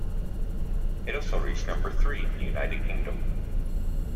It also reached number three in the United Kingdom.